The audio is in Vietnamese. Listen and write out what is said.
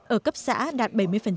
ở cấp xã đạt bảy mươi